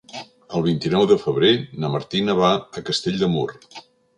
El vint-i-nou de febrer na Martina va a Castell de Mur.